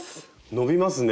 伸びますね。